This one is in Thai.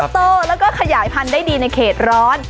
โตแล้วก็ขยายพันธุ์ได้ดีในเขตร้อน